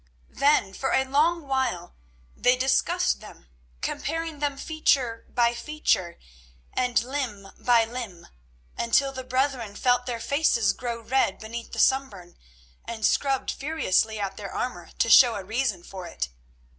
Then for a long while they discussed them, comparing them feature by feature and limb by limb, until the brethren felt their faces grow red beneath the sunburn and scrubbed furiously at their armour to show a reason for it.